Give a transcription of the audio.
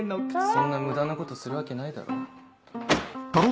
そんな無駄なことするわけないだろ。